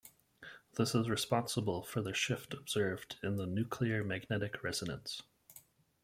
This is responsible for the shift observed in the nuclear magnetic resonance.